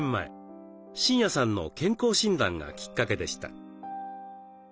真也さんの健康診断がきっかけでした。